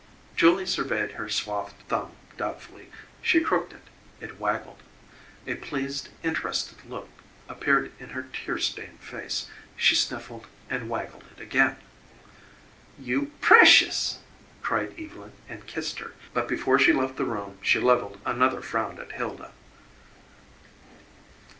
Julie surveyed her swathed thumb doubtfully. She crooked it; it waggled. A pleased, interested look appeared in her tear stained face. She sniffled and waggled it again. "You PRECIOUS!" cried Evylyn and kissed her, but before she left the room she levelled another frown at Hilda.